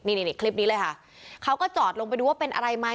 นี่คลิปนี้เลยค่ะเขาก็จอดลงไปดูว่าเป็นอะไรไหม